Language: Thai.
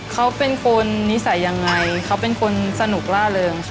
เขาเป็นคนนิสัยยังไงเขาเป็นคนสนุกล่าเริงค่ะ